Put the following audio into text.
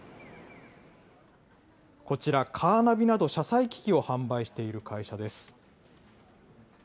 こちら、カーナビなど車載機器を販売している会社です。